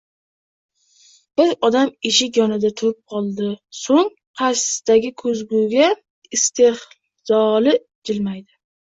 Bir dam eshik yonida turib qoldi so`ng qarshisidagi ko`zguga istehzoli jilmaydi